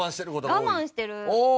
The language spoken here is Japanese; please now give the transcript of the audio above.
我慢してる。